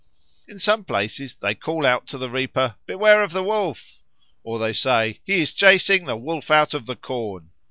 In some places they call out to the reaper, "Beware of the Wolf"; or they say, "He is chasing the Wolf out of the corn."